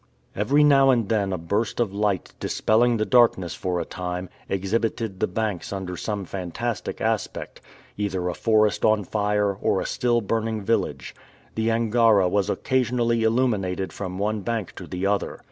Every now and then a burst of light dispelling the darkness for a time, exhibited the banks under some fantastic aspect either a forest on fire, or a still burning village. The Angara was occasionally illuminated from one bank to the other.